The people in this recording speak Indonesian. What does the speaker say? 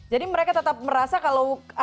jadi mereka tetap merasa kalau